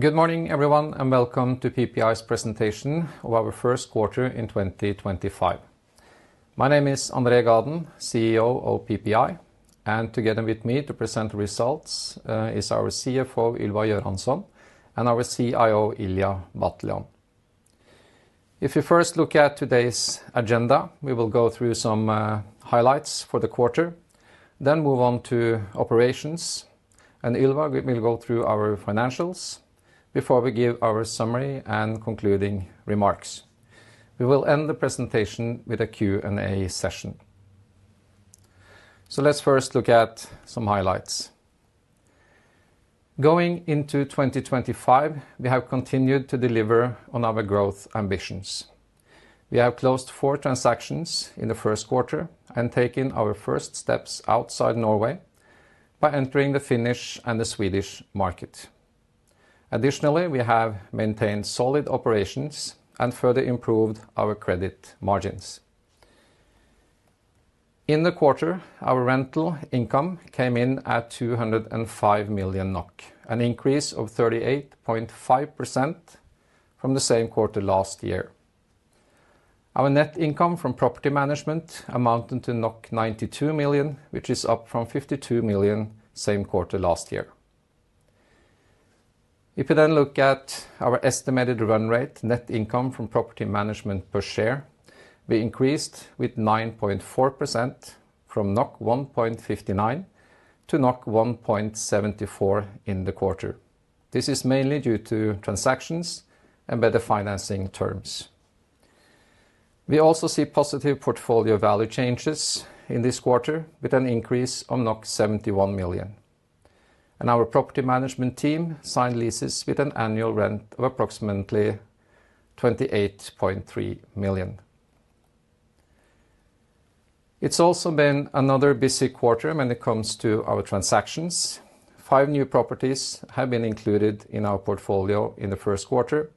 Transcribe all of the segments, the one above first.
Good morning, everyone, and welcome to PPI's presentation of our first quarter in 2025. My name is André Gaden, CEO of PPI, and together with me to present the results is our CFO, Ylva Göransson, and our CIO, Ilija Batljan. If we first look at today's agenda, we will go through some highlights for the quarter, then move on to operations, and Ylva will go through our financials before we give our summary and concluding remarks. We will end the presentation with a Q&A session. Let's first look at some highlights. Going into 2025, we have continued to deliver on our growth ambitions. We have closed four transactions in the first quarter and taken our first steps outside Norway by entering the Finnish and the Swedish markets. Additionally, we have maintained solid operations and further improved our credit margins. In the quarter, our rental income came in at 205 million NOK, an increase of 38.5% from the same quarter last year. Our net income from property management amounted to 92 million, which is up from 52 million same quarter last year. If we then look at our estimated run rate, net income from property management per share, we increased with 9.4% from 1.59 to 1.74 in the quarter. This is mainly due to transactions and better financing terms. We also see positive portfolio value changes in this quarter with an increase of 71 million, and our property management team signed leases with an annual rent of approximately 28.3 million. It's also been another busy quarter when it comes to our transactions. Five new properties have been included in our portfolio in the first quarter,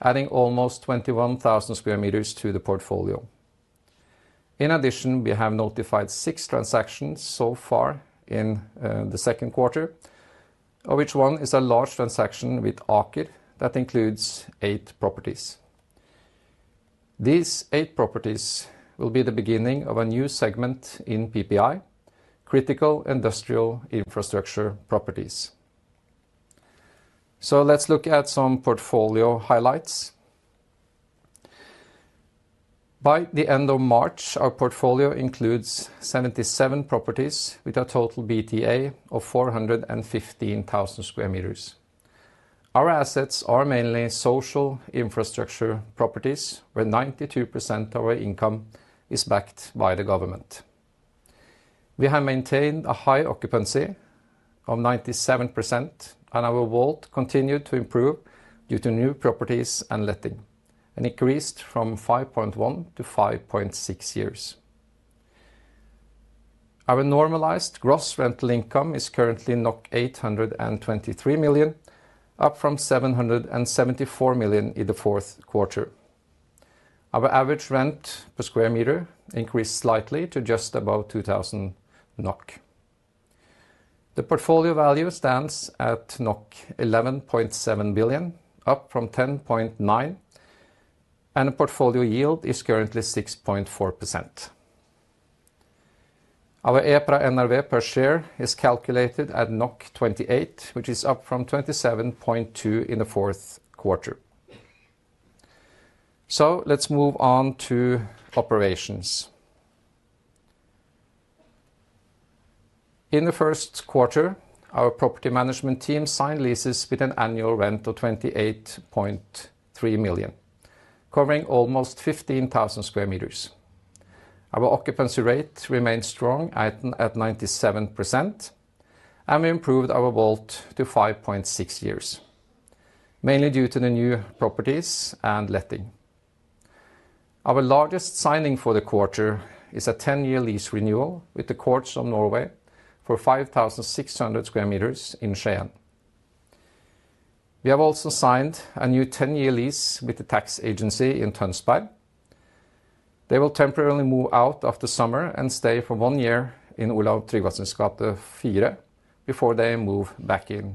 adding almost 21,000 sq m to the portfolio. In addition, we have notified six transactions so far in the second quarter, of which one is a large transaction with Aker that includes eight properties. These eight properties will be the beginning of a new segment in PPI, critical industrial infrastructure properties. Let's look at some portfolio highlights. By the end of March, our portfolio includes 77 properties with a total BTA of 415,000 sq m. Our assets are mainly social infrastructure properties, where 92% of our income is backed by the government. We have maintained a high occupancy of 97%, and our WAULT continued to improve due to new properties and letting, and increased from 5.1 to 5.6 years. Our normalized gross rental income is currently 823 million, up from 774 million in the fourth quarter. Our average rent per sq m increased slightly to just above 2,000 NOK. The portfolio value stands at 11.7 billion, up from 10.9 billion, and the portfolio yield is currently 6.4%. Our EPRA NRV per share is calculated at 28, which is up from 27.2 in the fourth quarter. Let's move on to operations. In the first quarter, our property management team signed leases with an annual rent of 28.3 million, covering almost 15,000 sq m. Our occupancy rate remained strong at 97%, and we improved our WAULT to 5.6 years, mainly due to the new properties and letting. Our largest signing for the quarter is a 10-year lease renewal with the Courts of Norway for 5,600 sq m in Skien. We have also signed a new 10-year lease with the tax agency in Tønsberg. They will temporarily move out after summer and stay for one year in Olav Tryggvasons gate 4 before they move back in.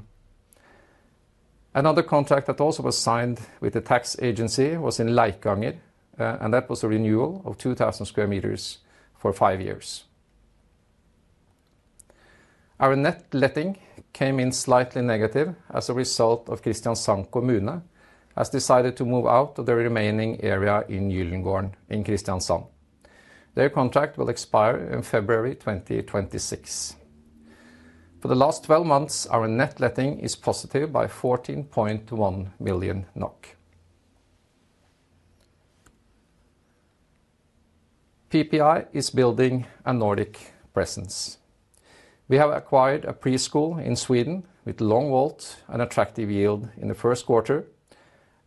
Another contract that also was signed with the tax agency was in Leikanger, and that was a renewal of 2,000 sq m for five years. Our net letting came in slightly negative as a result of Kristiansand Kommune has decided to move out of the remaining area in Gylden Gården in Kristiansand. Their contract will expire in February 2026. For the last 12 months, our net letting is positive by 14.1 million NOK. PPI is building a Nordic presence. We have acquired a preschool in Sweden with long WAULT and attractive yield in the first quarter,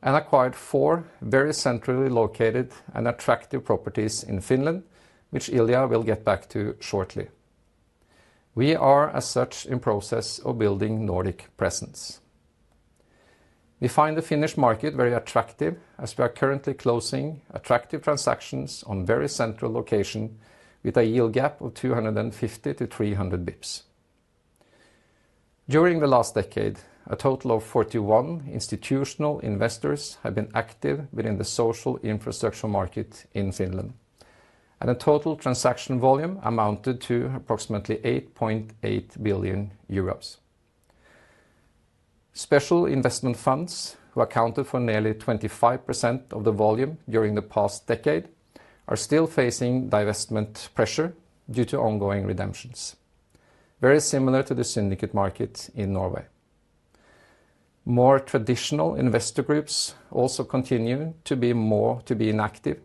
and acquired four very centrally located and attractive properties in Finland, which Ilija will get back to shortly. We are, as such, in process of building Nordic presence. We find the Finnish market very attractive as we are currently closing attractive transactions on very central locations with a yield gap of 250-300 basis points. During the last decade, a total of 41 institutional investors have been active within the social infrastructure market in Finland, and the total transaction volume amounted to approximately 8.8 billion euros. Special investment funds, who accounted for nearly 25% of the volume during the past decade, are still facing divestment pressure due to ongoing redemptions, very similar to the syndicate market in Norway. More traditional investor groups also continue to be inactive,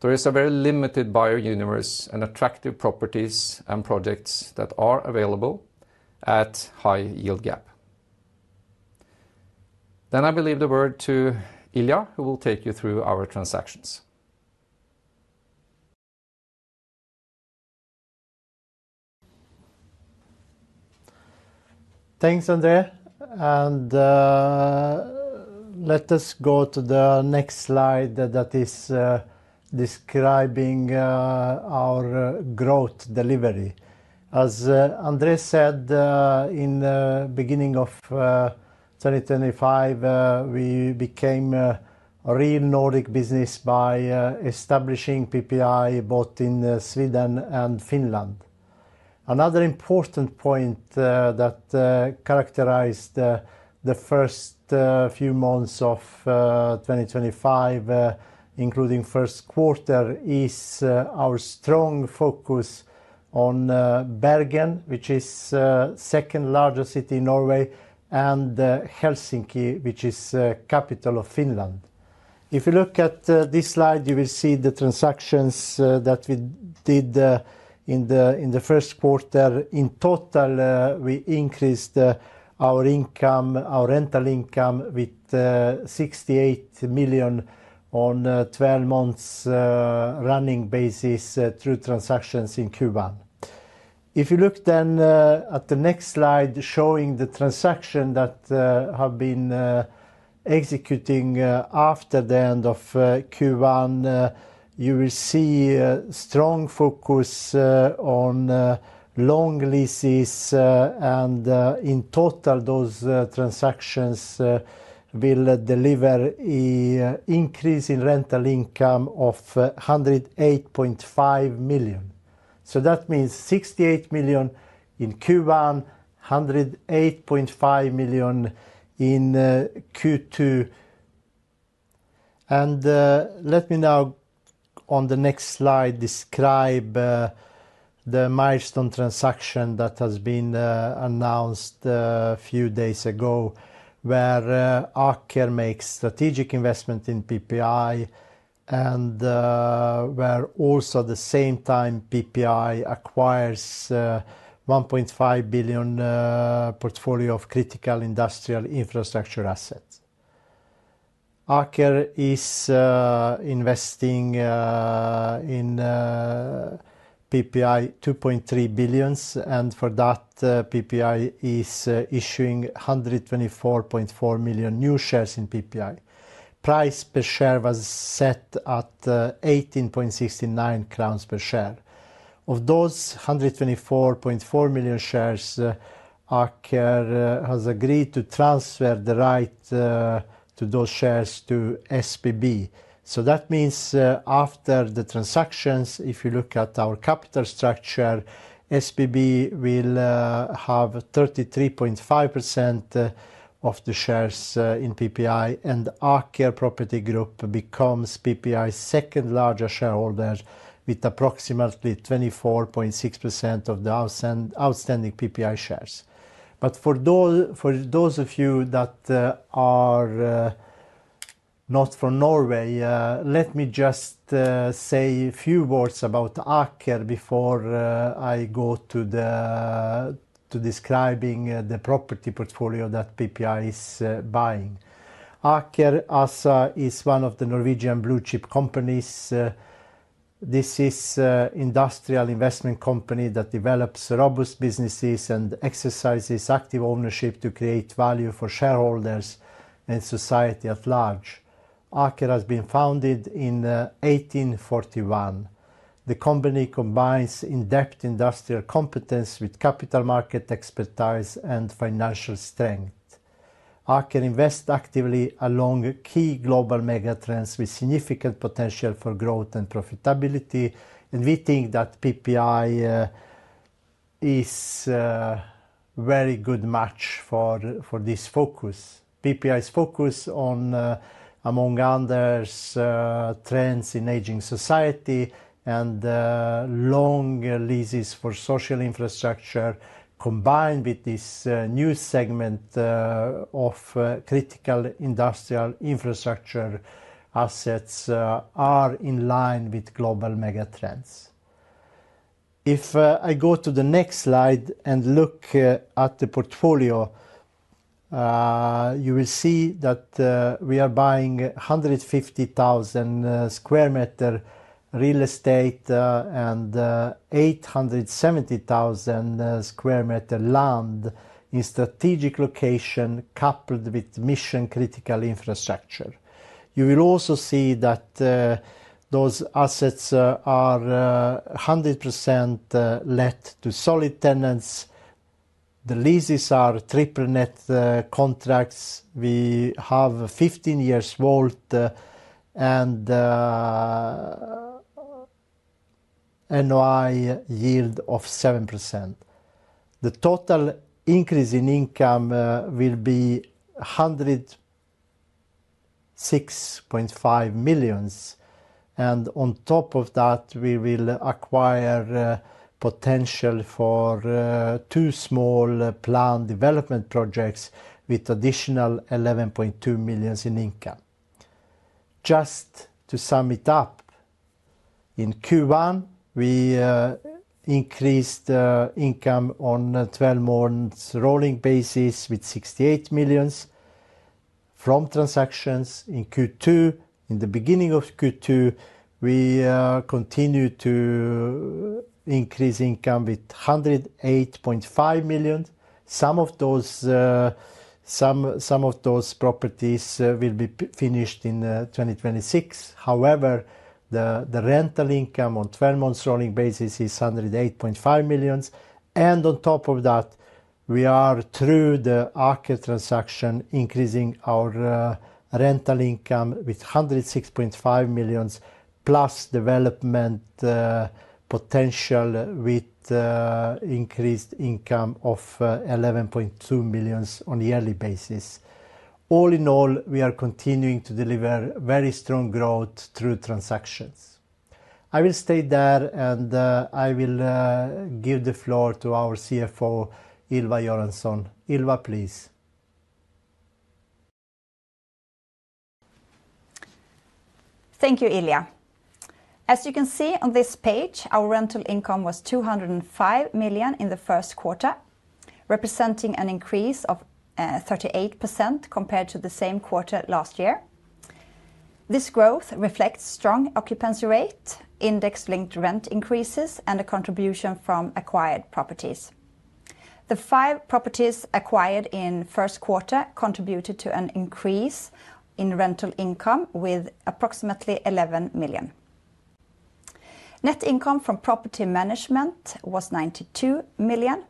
though it is a very limited buyer universe and attractive properties and projects that are available at high yield gap. I believe the word to Ilija, who will take you through our transactions. Thanks, André. Let us go to the next slide that is describing our growth delivery. As André said in the beginning of 2025, we became a real Nordic business by establishing PPI both in Sweden and Finland. Another important point that characterized the first few months of 2025, including first quarter, is our strong focus on Bergen, which is the second largest city in Norway, and Helsinki, which is the capital of Finland. If you look at this slide, you will see the transactions that we did in the first quarter. In total, we increased our rental income with 68 million on a 12-month running basis through transactions in Q1. If you look then at the next slide showing the transactions that have been executing after the end of Q1, you will see a strong focus on long leases, and in total, those transactions will deliver an increase in rental income of 108.5 million. That means 68 million in Q1, 108.5 million in Q2. Let me now, on the next slide, describe the milestone transaction that has been announced a few days ago, where Aker makes strategic investment in PPI and where also at the same time PPI acquires a 1.5 billion portfolio of critical industrial infrastructure assets. Aker is investing in PPI 2.3 billion, and for that, PPI is issuing 124.4 million new shares in PPI. Price per share was set at 18.69 crowns per share. Of those 124.4 million shares, Aker has agreed to transfer the right to those shares to SBB. That means after the transactions, if you look at our capital structure, SBB will have 33.5% of the shares in PPI, and Aker Property Group becomes PPI's second largest shareholder with approximately 24.6% of the outstanding PPI shares. For those of you that are not from Norway, let me just say a few words about Aker before I go to describing the property portfolio that PPI is buying. Aker ASA is one of the Norwegian blue-chip companies. This is an industrial investment company that develops robust businesses and exercises active ownership to create value for shareholders and society at large. Aker has been founded in 1841. The company combines in-depth industrial competence with capital market expertise and financial strength. Aker invests actively along key global megatrends with significant potential for growth and profitability, and we think that PPI is a very good match for this focus. PPI's focus on, among others, trends in aging society and long leases for social infrastructure, combined with this new segment of critical industrial infrastructure assets, are in line with global megatrends. If I go to the next slide and look at the portfolio, you will see that we are buying 150,000 sq m real estate and 870,000 sq m land in strategic location coupled with mission critical infrastructure. You will also see that those assets are 100% let to solid tenants. The leases are triple net contracts. We have a 15 years WAULT and NOI yield of 7%. The total increase in income will be 106.5 million, and on top of that, we will acquire potential for two small planned development projects with additional 11.2 million in income. Just to sum it up, in Q1, we increased income on a 12-month rolling basis with 68 million. From transactions in Q2, in the beginning of Q2, we continue to increase income with 108.5 million. Some of those properties will be finished in 2026. However, the rental income on a 12-month rolling basis is 108.5 million. On top of that, we are, through the Aker transaction, increasing our rental income with 106.5 million, plus development potential with increased income of 11.2 million on a yearly basis. All in all, we are continuing to deliver very strong growth through transactions. I will stay there, and I will give the floor to our CFO, Ylva Göransson. Ylva, please. Thank you, Ilija. As you can see on this page, our rental income was 205 million in the first quarter, representing an increase of 38% compared to the same quarter last year. This growth reflects strong occupancy rate, index-linked rent increases, and a contribution from acquired properties. The five properties acquired in the first quarter contributed to an increase in rental income with approximately 11 million. Net income from property management was 92 million,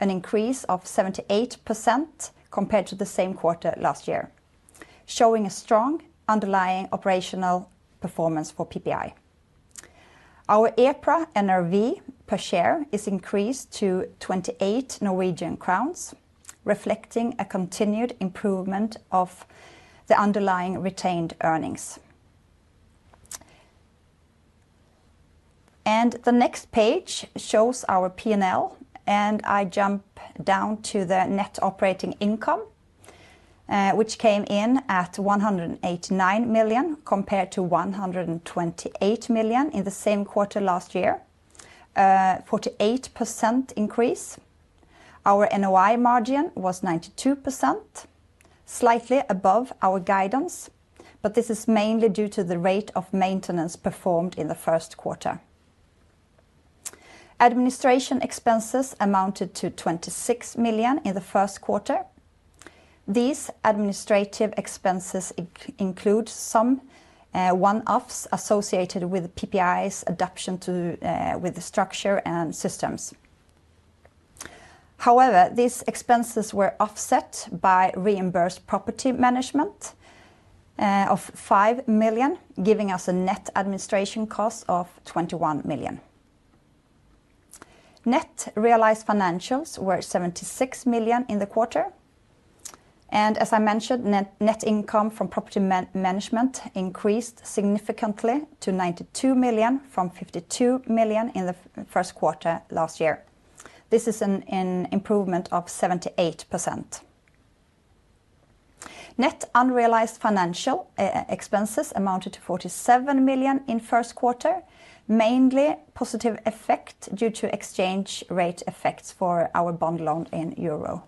an increase of 78% compared to the same quarter last year, showing a strong underlying operational performance for PPI. Our EPRA NRV per share is increased to 28 Norwegian crowns, reflecting a continued improvement of the underlying retained earnings. The next page shows our P&L, and I jump down to the net operating income, which came in at 189 million compared to 128 million in the same quarter last year, a 48% increase. Our NOI margin was 92%, slightly above our guidance, but this is mainly due to the rate of maintenance performed in the first quarter. Administration expenses amounted to 26 million in the first quarter. These administrative expenses include some one-offs associated with PPI's adoption to the structure and systems. However, these expenses were offset by reimbursed property management of 5 million, giving us a net administration cost of 21 million. Net realized financials were 76 million in the quarter. As I mentioned, net income from property management increased significantly to 92 million from 52 million in the first quarter last year. This is an improvement of 78%. Net unrealized financial expenses amounted to 47 million in the first quarter, mainly a positive effect due to exchange rate effects for our bond loan in EUR.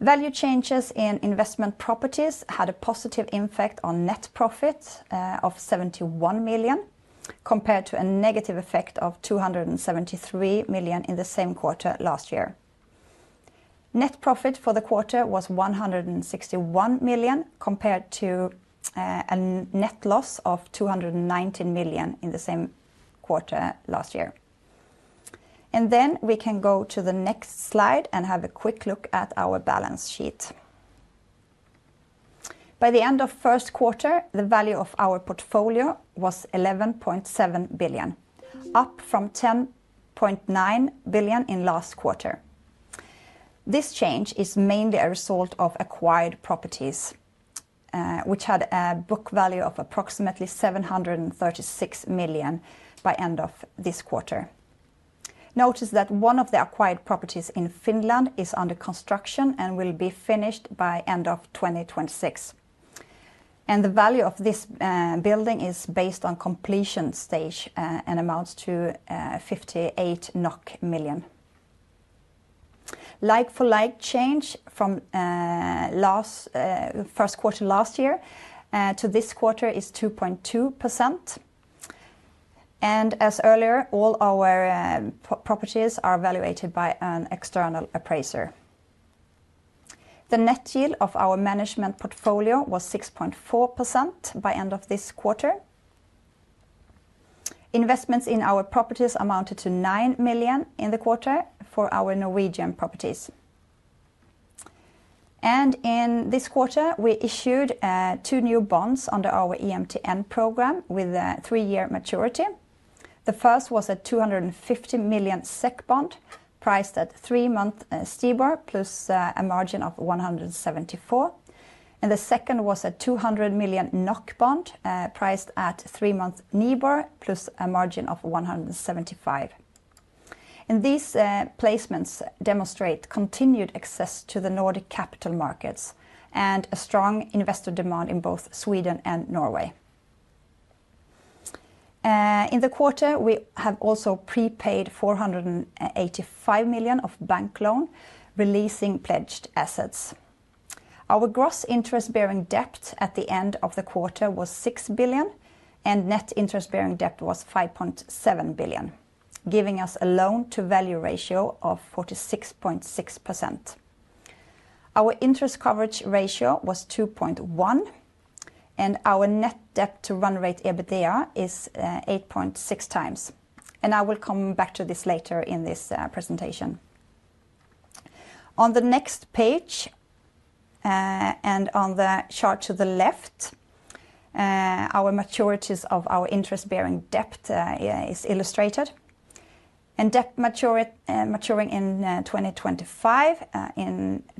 Value changes in investment properties had a positive impact on net profit of 71 million compared to a negative effect of 273 million in the same quarter last year. Net profit for the quarter was 161 million compared to a net loss of 219 million in the same quarter last year. We can go to the next slide and have a quick look at our balance sheet. By the end of the first quarter, the value of our portfolio was 11.7 billion, up from 10.9 billion in the last quarter. This change is mainly a result of acquired properties, which had a book value of approximately 736 million by the end of this quarter. Notice that one of the acquired properties in Finland is under construction and will be finished by the end of 2026. The value of this building is based on completion stage and amounts to 58 million NOK. Like-for-like change from the first quarter last year to this quarter is 2.2%. As earlier, all our properties are valuated by an external appraiser. The net yield of our management portfolio was 6.4% by the end of this quarter. Investments in our properties amounted to 9 million in the quarter for our Norwegian properties. In this quarter, we issued two new bonds under our EMTN program with a three-year maturity. The first was a 250 million SEK bond priced at three-month STIBOR plus a margin of 174. The second was a 200 million NOK bond priced at three-month NIBOR plus a margin of 175. These placements demonstrate continued access to the Nordic capital markets and a strong investor demand in both Sweden and Norway. In the quarter, we have also prepaid 485 million of bank loan releasing pledged assets. Our gross interest-bearing debt at the end of the quarter was 6 billion, and net interest-bearing debt was 5.7 billion, giving us a loan-to-value ratio of 46.6%. Our interest coverage ratio was 2.1, and our net debt-to-run rate EBITDA is 8.6x. I will come back to this later in this presentation. On the next page and on the chart to the left, our maturities of our interest-bearing debt are illustrated. Debt maturing in 2025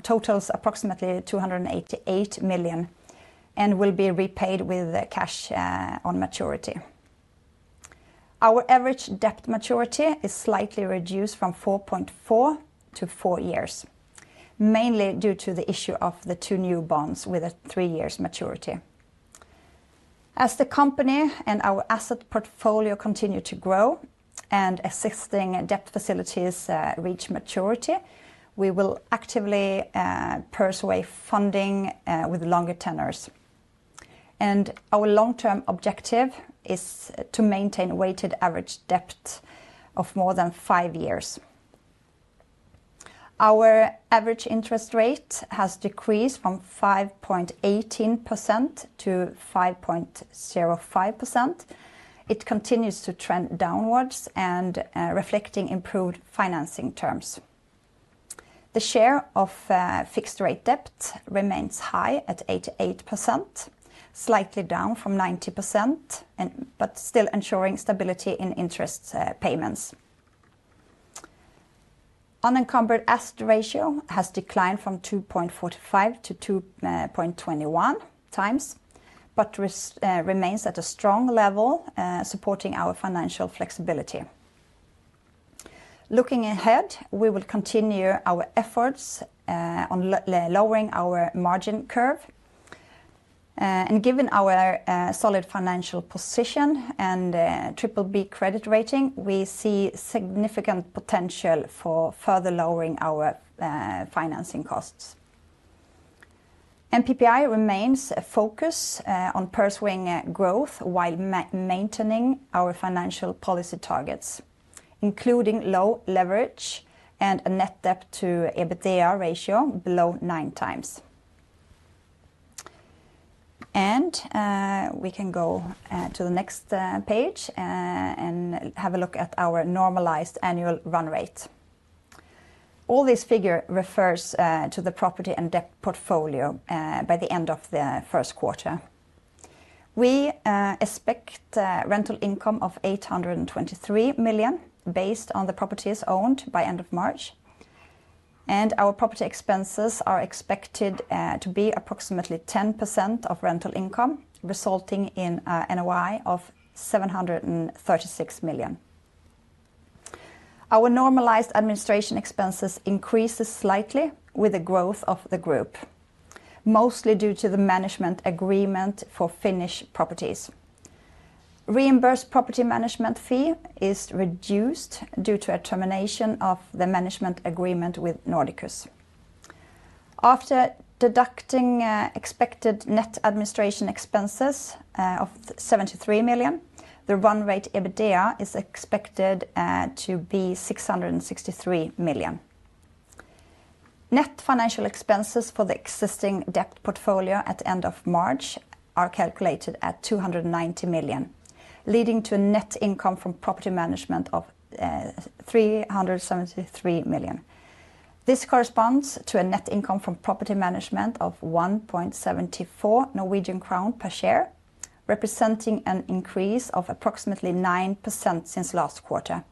totals approximately 288 million and will be repaid with cash on maturity. Our average debt maturity is slightly reduced from 4.4 years to four years, mainly due to the issue of the two new bonds with a three-year maturity. As the company and our asset portfolio continue to grow and assisting debt facilities reach maturity, we will actively pursue funding with longer tenors. Our long-term objective is to maintain a weighted average debt of more than five years. Our average interest rate has decreased from 5.18% to 5.05%. It continues to trend downwards, reflecting improved financing terms. The share of fixed-rate debt remains high at 88%, slightly down from 90%, but still ensuring stability in interest payments. Unencumbered asset ratio has declined from 2.45x to 2.21x, but remains at a strong level supporting our financial flexibility. Looking ahead, we will continue our efforts on lowering our margin curve. Given our solid financial position and BBB credit rating, we see significant potential for further lowering our financing costs. PPI remains focused on pursuing growth while maintaining our financial policy targets, including low leverage and a net debt-to-EBITDA ratio below 9x. We can go to the next page and have a look at our normalized annual run rate. All these figures refer to the property and debt portfolio by the end of the first quarter. We expect rental income of 823 million based on the properties owned by the end of March. Our property expenses are expected to be approximately 10% of rental income, resulting in an NOI of 736 million. Our normalized administration expenses increase slightly with the growth of the group, mostly due to the management agreement for Finnish properties. Reimbursed property management fee is reduced due to a termination of the management agreement with Nordicus. After deducting expected net administration expenses of 73 million, the run rate EBITDA is expected to be 663 million. Net financial expenses for the existing debt portfolio at the end of March are calculated at 290 million, leading to a net income from property management of 373 million. This corresponds to a net income from property management of 1.74 Norwegian crown per share, representing an increase of approximately 9% since last quarter.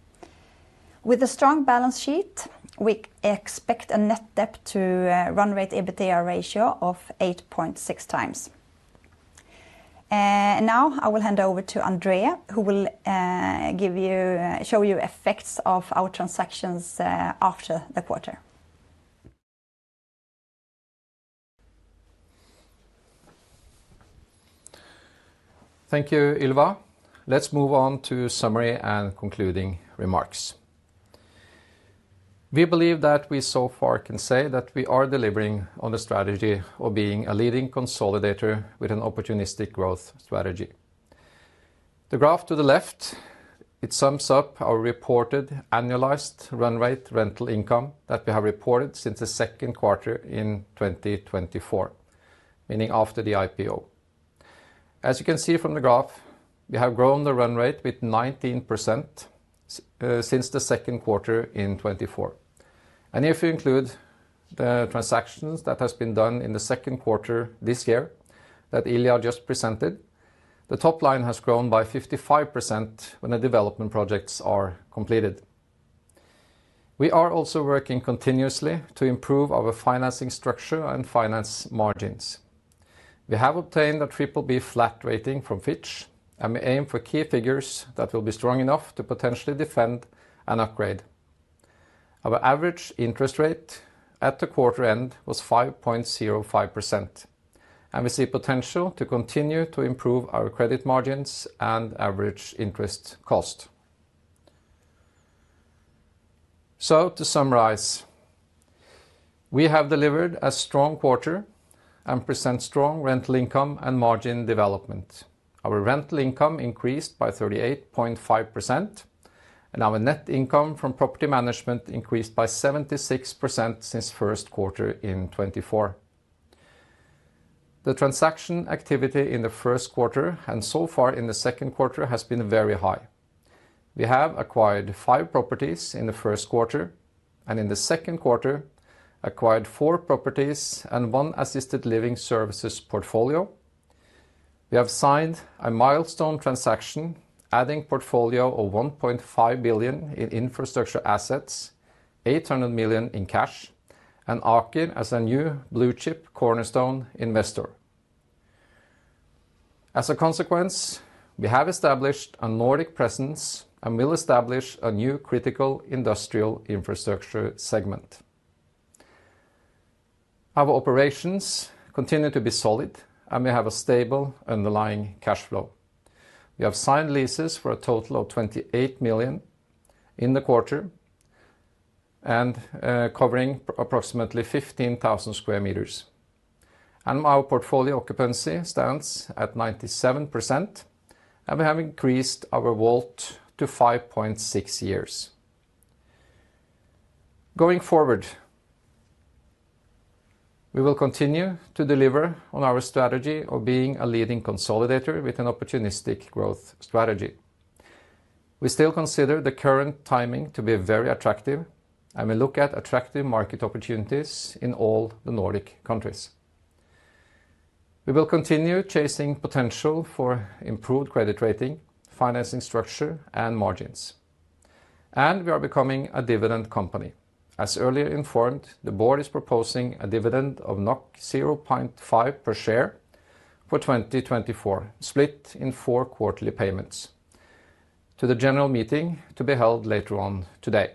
With a strong balance sheet, we expect a net debt-to-run-rate EBITDA ratio of 8.6x. Now I will hand over to André, who will show you effects of our transactions after the quarter. Thank you, Ylva. Let's move on to summary and concluding remarks. We believe that we so far can say that we are delivering on the strategy of being a leading consolidator with an opportunistic growth strategy. The graph to the left, it sums up our reported annualized run rate rental income that we have reported since the second quarter in 2024, meaning after the IPO. As you can see from the graph, we have grown the run rate with 19% since the second quarter in 2024. If you include the transactions that have been done in the second quarter this year that Ilija just presented, the top line has grown by 55% when the development projects are completed. We are also working continuously to improve our financing structure and finance margins. We have obtained a BBB flat rating from Fitch, and we aim for key figures that will be strong enough to potentially defend an upgrade. Our average interest rate at the quarter end was 5.05%, and we see potential to continue to improve our credit margins and average interest cost. To summarize, we have delivered a strong quarter and present strong rental income and margin development. Our rental income increased by 38.5%, and our net income from property management increased by 76% since first quarter in 2024. The transaction activity in the first quarter and so far in the second quarter has been very high. We have acquired five properties in the first quarter, and in the second quarter, acquired four properties and one assisted living services portfolio. We have signed a milestone transaction, adding a portfolio of 1.5 billion in infrastructure assets, 800 million in cash, and Aker as a new blue chip cornerstone investor. As a consequence, we have established a Nordic presence and will establish a new critical industrial infrastructure segment. Our operations continue to be solid, and we have a stable underlying cash flow. We have signed leases for a total of 28 million in the quarter, covering approximately 15,000 sq m. Our portfolio occupancy stands at 97%, and we have increased our WAULT to 5.6 years. Going forward, we will continue to deliver on our strategy of being a leading consolidator with an opportunistic growth strategy. We still consider the current timing to be very attractive, and we look at attractive market opportunities in all the Nordic countries. We will continue chasing potential for improved credit rating, financing structure, and margins. We are becoming a dividend company. As earlier informed, the board is proposing a dividend of 0.5 per share for 2024, split in four quarterly payments to the general meeting to be held later on today.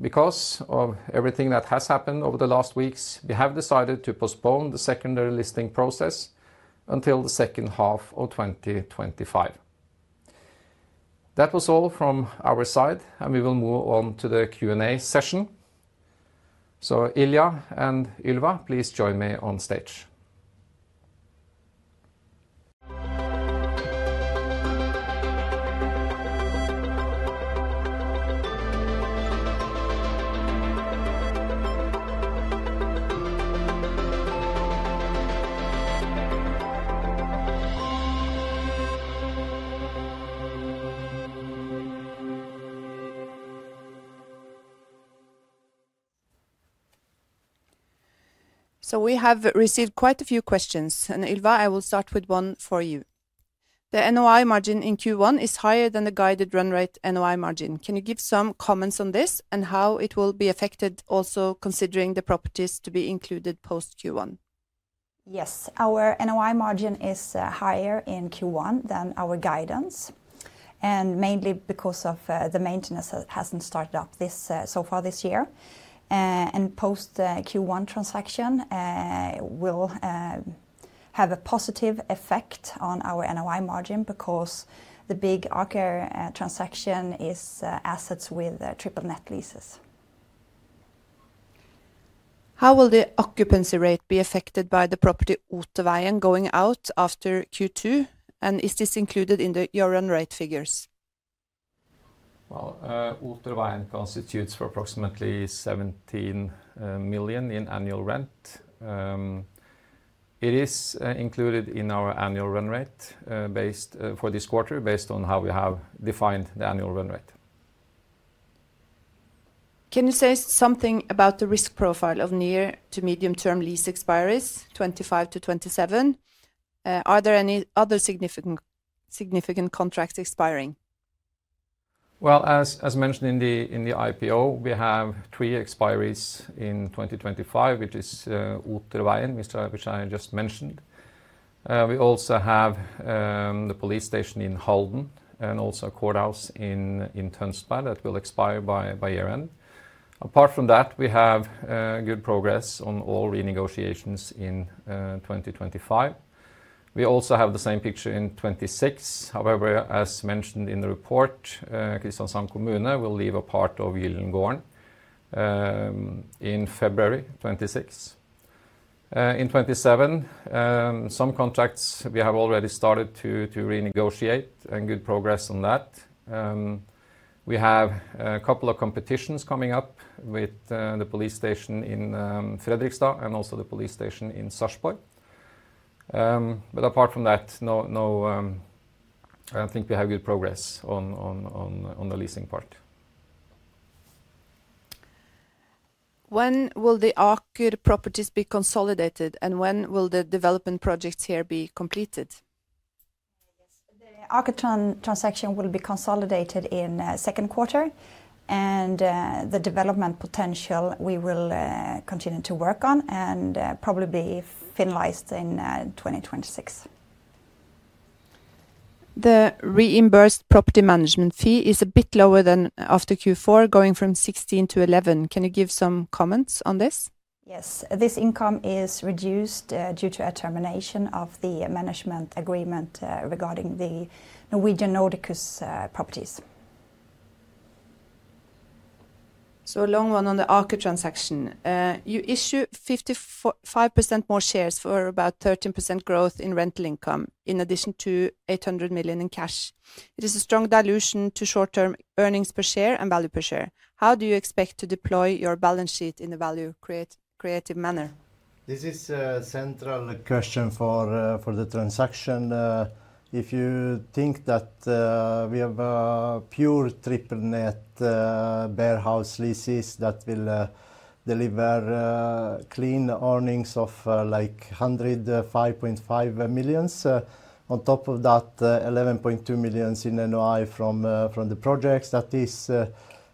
Because of everything that has happened over the last weeks, we have decided to postpone the secondary listing process until the second half of 2025. That was all from our side, and we will move on to the Q&A session. Ilija and Ylva, please join me on stage. We have received quite a few questions, and Ylva, I will start with one for you. The NOI margin in Q1 is higher than the guided run rate NOI margin. Can you give some comments on this and how it will be affected, also considering the properties to be included post Q1? Yes, our NOI margin is higher in Q1 than our guidance, mainly because the maintenance hasn't started up so far this year. Post Q1 transaction will have a positive effect on our NOI margin because the big arcade transaction is assets with triple net leases. How will the occupancy rate be affected by the property Otterveien going out after Q2? Is this included in your run rate figures? Otterveien constitutes for approximately 17 million in annual rent. It is included in our annual run rate for this quarter based on how we have defined the annual run rate. Can you say something about the risk profile of near to medium-term lease expires, 2025 to 2027? Are there any other significant contracts expiring? As mentioned in the IPO, we have three expiries in 2025, which is Otterveien, which I just mentioned. We also have the police station in Halden and also a courthouse in Tønsberg that will expire by year-end. Apart from that, we have good progress on all renegotiations in 2025. We also have the same picture in 2026. However, as mentioned in the report, Kristiansand kommune will leave a part of Gylden Gården in February 2026. In 2027, some contracts we have already started to renegotiate and good progress on that. We have a couple of competitions coming up with the police station in Fredrikstad and also the police station in Sarpsborg. Apart from that, I think we have good progress on the leasing part. When will the Aker properties be consolidated, and when will the development projects here be completed? The Aker transaction will be consolidated in the second quarter, and the development potential we will continue to work on and probably be finalized in 2026. The reimbursed property management fee is a bit lower than after Q4, going from 16 to 11. Can you give some comments on this? Yes, this income is reduced due to a termination of the management agreement regarding the Norwegian Nordicus properties. A long one on the Aker transaction. You issue 55% more shares for about 13% growth in rental income in addition to 800 million in cash. It is a strong dilution to short-term earnings per share and value per share. How do you expect to deploy your balance sheet in a value-creative manner? This is a central question for the transaction. If you think that we have pure triple net bear house leases that will deliver clean earnings of like 105.5 million on top of that 11.2 million in NOI from the projects, that is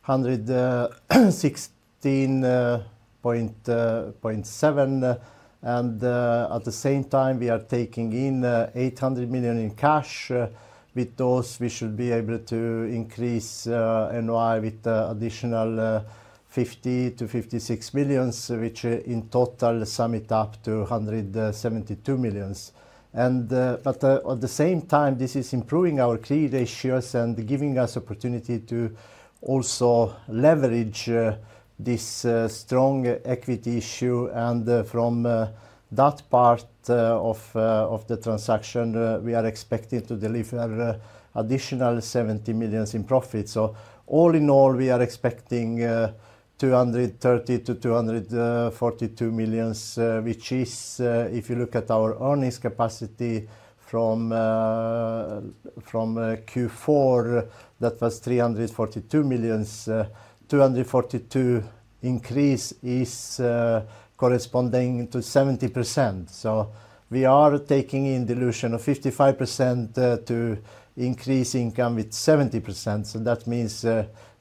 116.7 million. At the same time, we are taking in 800 million in cash. With those, we should be able to increase NOI with additional 50 million-56 million, which in total sum it up to 172 million. This is improving our key ratios and giving us opportunity to also leverage this strong equity issue. From that part of the transaction, we are expecting to deliver additional 70 million in profit. All in all, we are expecting 230 million-242 million, which is, if you look at our earnings capacity from Q4, that was 342 million. 242 million increase is corresponding to 70%. We are taking in dilution of 55% to increase income with 70%. That means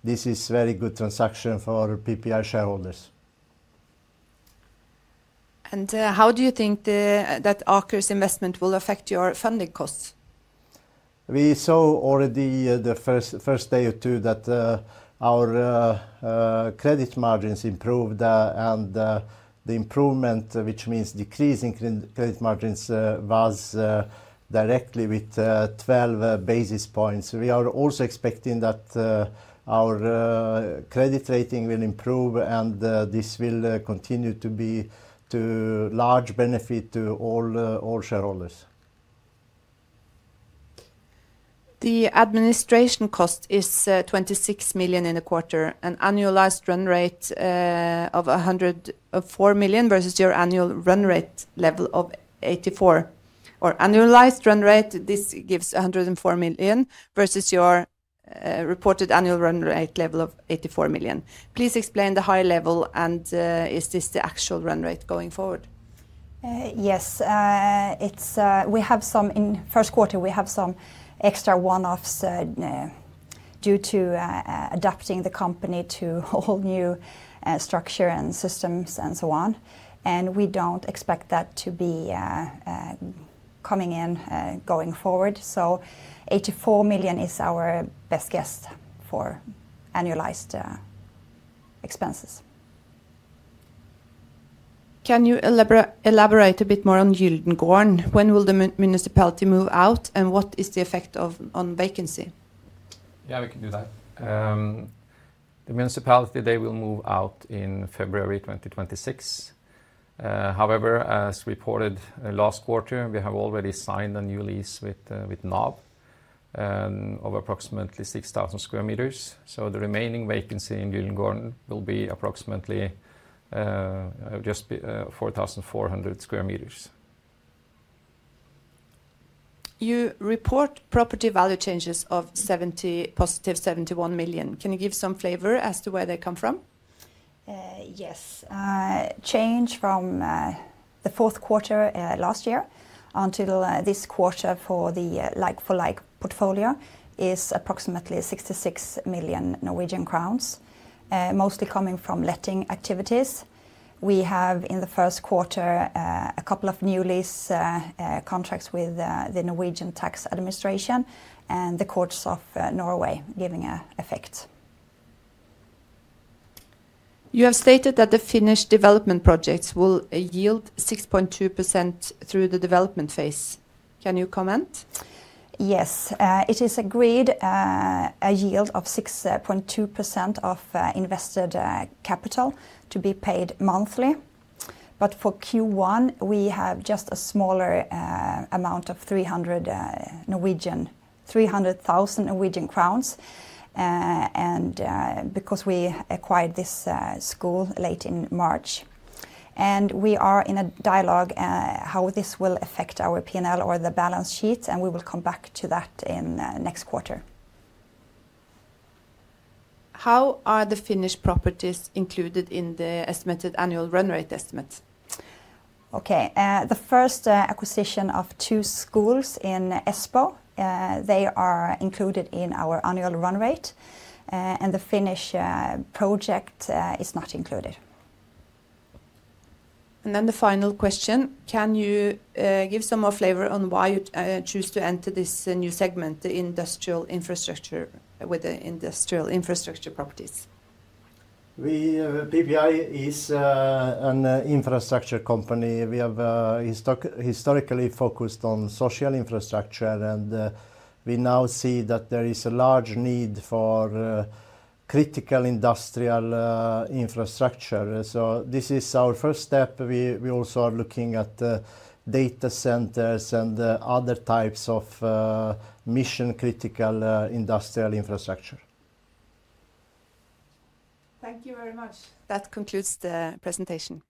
this is a very good transaction for PPI shareholders. How do you think that Aker's investment will affect your funding costs? We saw already the first day or two that our credit margins improved, and the improvement, which means decreasing credit margins, was directly with 12 basis points. We are also expecting that our credit rating will improve, and this will continue to be to large benefit to all shareholders. The administration cost is 26 million in the quarter, an annualized run rate of 104 million versus your annual run rate level of 84 million. Or annualized run rate, this gives 104 million versus your reported annual run rate level of 84 million. Please explain the high level, and is this the actual run rate going forward? Yes, we have some in first quarter, we have some extra one-offs due to adapting the company to all new structure and systems and so on. We do not expect that to be coming in going forward. 84 million is our best guess for annualized expenses. Can you elaborate a bit more on Gylden Gården? When will the municipality move out, and what is the effect on vacancy? Yeah, we can do that. The municipality, they will move out in February 2026. However, as reported last quarter, we have already signed a new lease with NAB of approximately 6,000 sq m. The remaining vacancy in Gylden Gården will be approximately just 4,400 sq m. You report property value changes of positive 71 million. Can you give some flavor as to where they come from? Yes. Change from the fourth quarter last year until this quarter for the like-for-like portfolio is approximately 66 million Norwegian crowns, mostly coming from letting activities. We have in the first quarter a couple of new lease contracts with the Norwegian tax administration and the Courts of Norway giving an effect. You have stated that the Finnish development projects will yield 6.2% through the development phase. Can you comment? Yes, it is agreed, a yield of 6.2% of invested capital to be paid monthly. For Q1, we have just a smaller amount of NOK 300,000, because we acquired this school late in March. We are in a dialogue how this will affect our P&L or the balance sheet, and we will come back to that in next quarter. How are the Finnish properties included in the estimated annual run rate estimate? Okay, the first acquisition of two schools in Espoo, they are included in our annual run rate, and the Finnish project is not included. The final question, can you give some more flavor on why you choose to enter this new segment, the industrial infrastructure with the industrial infrastructure properties? PPI is an infrastructure company. We have historically focused on social infrastructure, and we now see that there is a large need for critical industrial infrastructure. This is our first step. We also are looking at data centers and other types of mission-critical industrial infrastructure. Thank you very much. That concludes the presentation.